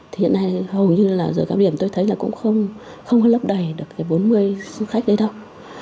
thì hiện nay hầu như là giờ cao điểm tôi thấy là cũng không lấp đầy được bốn mươi khách đấy đâu